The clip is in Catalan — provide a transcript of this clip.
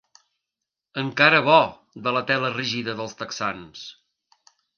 Encara bo de la tela rígida dels texans.